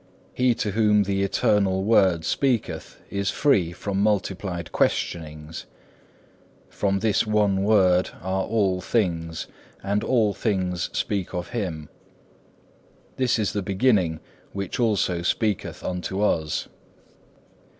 He to whom the Eternal Word speaketh is free from multiplied questionings. From this One Word are all things, and all things speak of Him; and this is the Beginning which also speaketh unto us.